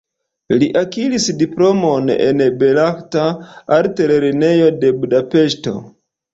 Li akiris diplomon en Belarta Altlernejo de Budapeŝto.